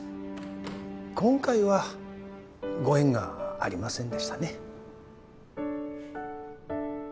今回はご縁がありませんでしたね。